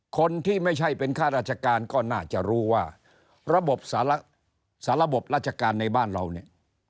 คนที่ไม่ใช่เป็นข้าราชการก็น่าจะรู้ว่าระบบสารบราชการในบ้านเราเนี่ย